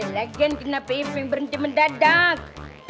lagi kan kenapa iping berhenti mendadak